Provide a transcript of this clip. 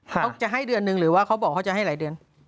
เขาจะให้เดือนนึงหรือว่าเขาบอกเขาจะให้หลายเดือน